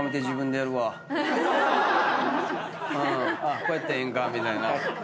こうやったらええんかみたいな。